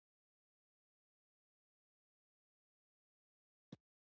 هر څومره چې دوی ته صدمه ورسول شي.